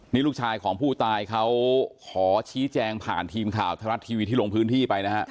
นี่ลูกชายของผู้ตายเขาขอชี้แจงผ่านทีมข่าวไทยรัฐทีวีที่ลงพื้นที่ไปนะฮะ